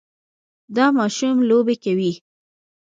دا ماشوم لوبې کوي.